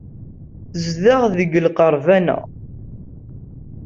Tezdeɣ deg lqerban-a.